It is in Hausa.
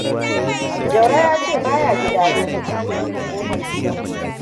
Jauro ya ce ba ya gida lokacin.